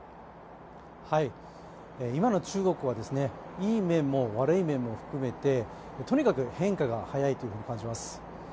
今の中国は、いい面も悪い面も含めてとにかく変化が速いと感じます。